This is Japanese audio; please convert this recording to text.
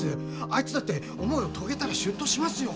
あいつだって思いを遂げたら出頭しますよ。